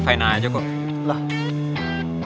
kamu gimana kam paham